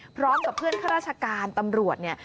พร้อมกับเพื่อนข้าราชการตำรวจเนี่ย